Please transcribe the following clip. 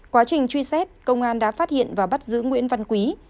quá trình truy xét công an đã phát hiện và bắt giữ nguyễn văn quý